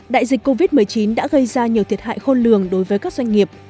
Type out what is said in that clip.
đại dịch covid một mươi chín đã gây ra nhiều thiệt hại khôn lường đối với các doanh nghiệp